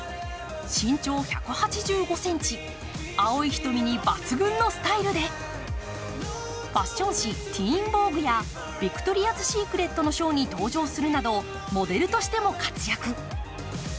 身長１８５ｃｍ青い瞳に抜群のスタイルでファッション紙、「ＴＥＥＮＶＯＧＵＥ」やヴィクトリアズ・シークレットのショーに登場するなどモデルとしても活躍。